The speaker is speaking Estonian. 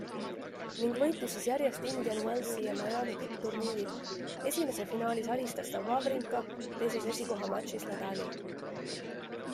Ning võitis siis järjest Indian Wellsi ja Miami tippturniirid, esimese finaalis alistas ta Wawrinka, teise esikohamatšis Nadali.